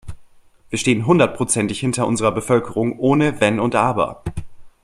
Wir stehen hundertprozentig hinter unserer Bevölkerung, ohne Wenn und Aber.